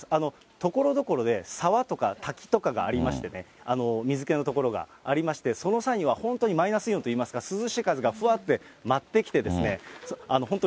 ところどころで沢とか滝とかがありましてね、水けの所ありまして、その際には、本当にマイナスイオンといいますか、涼しい風がふわって舞ってきてですね、本当